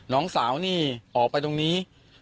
น้องสาวนี่ออกไปตรงนี้